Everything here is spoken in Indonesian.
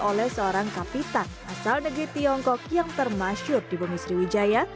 oleh seorang kapital asal negeri tiongkok yang termasyur di bumi sriwijaya